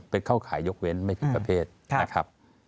เข้าขายยกเว้นไม่ผิดประเภทนะครับ